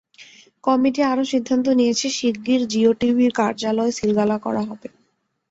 Committee আরও সিদ্ধান্ত নিয়েছে শিগগির জিও টিভির কার্যালয় সিলগালা করা হবে।